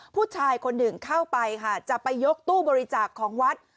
ผู้ชายคนหนึ่งเข้าไปค่ะจะไปยกตู้บริจาคของวัด